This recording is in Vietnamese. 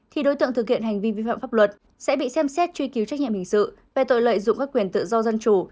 thì đối tượng thực hiện hành vi vi phạm pháp luật sẽ bị xem xét truy cứu trách nhiệm hình sự về tội lợi dụng các quyền tự do dân chủ